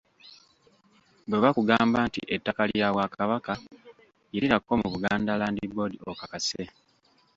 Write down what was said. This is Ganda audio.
Bwe bakugamba nti ettaka lya Bwakabaka, yitirako mu Buganda Land Board okakase.